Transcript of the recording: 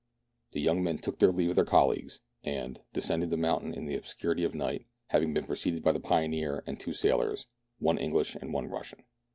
The young men took leave of their colleagues, and 1 88 MERIDIANA; THE ADVENTURES OF descended the mountain in the obscurity of night, having been preceded by the pioneer and two sailors, one English and one Russian.